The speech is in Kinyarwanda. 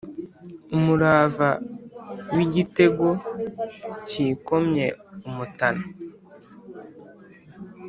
Umurava w'igitego kikomye umutana